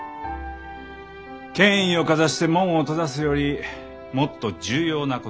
権威をかざして門を閉ざすよりもっと重要なことがある。